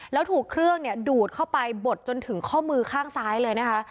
แล้วถูกเครื่องดูดเข้าไปบดจนถึงข้อมือข้างซ้ายเลยนะคะ